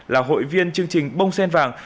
là hội viên chương trình bông sen vàng